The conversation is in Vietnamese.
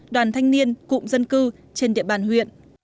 đoàn thanh niên cụm dân cư trên địa bàn huyện